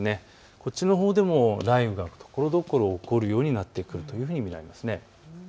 こっちのほうでも雷雨がところどころ起こるようになってくると見られます。